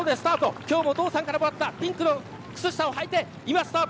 今日もお父さんからもらったピンクの靴下をはいてスタート。